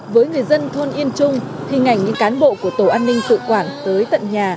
với người dân thôn yên trung hình ảnh những cán bộ của tổ an ninh tự quản tới tận nhà